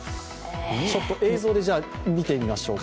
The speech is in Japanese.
映像で見てみましょうか。